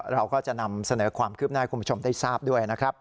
เราก็จะนำเสนอความคืบหน้าให้คุณผู้ชมได้ทราบด้วยนะครับ